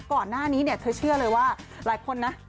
ก่อนหน้านี้เนี่ยเธอเชื่อเลยว่าหลายคนนะ